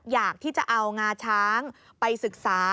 อยากที่จะเอางาช้างไปศึกษา